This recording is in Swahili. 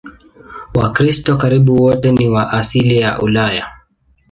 Wakristo karibu wote ni wa asili ya Ulaya.